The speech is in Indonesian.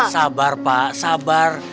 sabar pak sabar